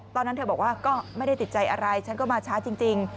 ตอนนั้นเธอบอกว่าก็ไม่ได้ติดใจอะไรฉันก็มาช้าจริง